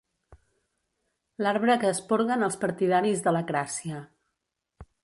L'arbre que esporguen els partidaris de l'acràcia.